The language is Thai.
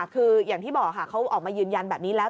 คืออย่างที่บอกค่ะเขาออกมายืนยันแบบนี้แล้ว